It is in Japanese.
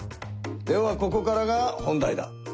ではここからが本題だ。